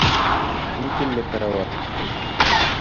— Никелле карауат.